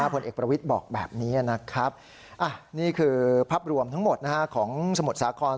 ผลเอกประวิทย์บอกแบบนี้นะครับนี่คือภาพรวมทั้งหมดของสมุทรสาคร